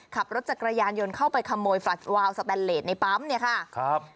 ขับรถจักรยานยนต์เข้าไปขโมยฟลสวาวสแตนเลสในปั๊มเนี่ยค่ะครับ